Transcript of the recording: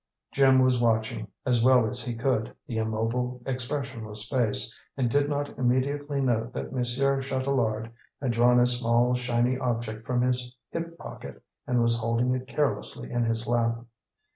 Jim was watching, as well as he could, the immobile, expressionless face, and did not immediately note that Monsieur Chatelard had drawn a small, shiny object from his hip pocket and was holding it carelessly in his lap.